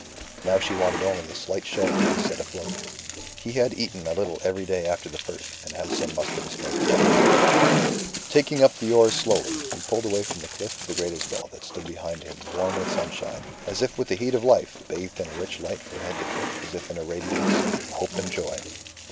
Now she wanted only a slight shove to be set afloat. He had eaten a little every day after the first, and had some muscular strength left yet. Taking up the oars slowly, he pulled away from the cliff of the Great Isabel, that stood behind him warm with sunshine, as if with the heat of life, bathed in a rich light from head to foot as if in a radiance of hope and joy.